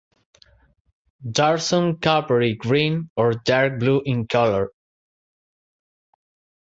Dorsum coppery green or dark blue in color.